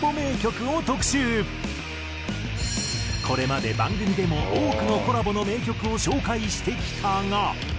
これまで番組でも多くのコラボの名曲を紹介してきたが。